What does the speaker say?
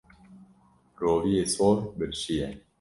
Roviyê sor birçî ye.